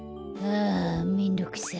あめんどくさい。